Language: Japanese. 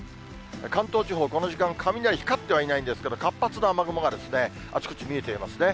関東地方、この時間、雷、光ってはいないんですけど、活発な雨雲があちこち見えていますね。